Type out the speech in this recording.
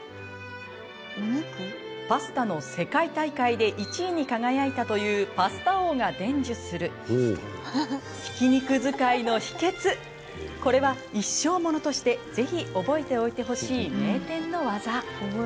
パスタの世界大会で１位に輝いたというパスタ王が伝授するこれは一生ものとしてぜひ覚えておいてほしい名店の技。